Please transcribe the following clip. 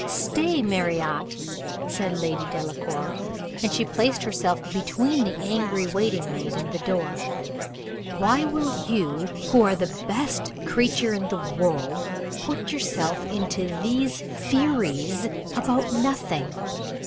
"Stay, Marriott," said Lady Delacour, and she placed herself between the angry waiting maid and the door. "Why will you, who are the best creature in the world, put yourself into these furies about nothing?